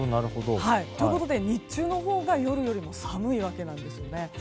ということで日中のほうが夜よりも寒いわけなんです。